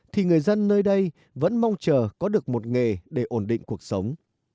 thì người dân nơi đây vẫn mong chờ có được một nghề để ổn định cuộc sống